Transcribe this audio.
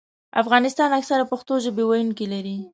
افغانستان اکثراً پښتو ژبه ویونکي لري.